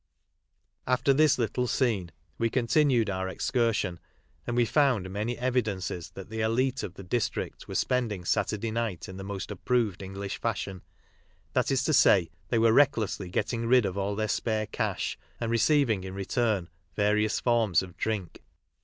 After this little scene we continued our excursion and we found many evidences that the elite of the district were spending Saturday night in the most approved English fashion— that is to say, they were recklessly getting rid of all their spare cash, and re ceiving m return various forms of drink.